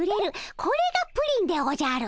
これがプリンでおじゃる。